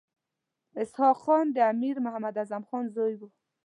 اسحق خان د امیر محمد اعظم خان زوی وو.